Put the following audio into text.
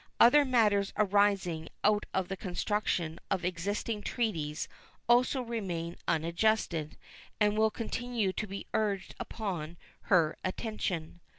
Other matters arising out of the construction of existing treaties also remain unadjusted, and will continue to be urged upon her attention.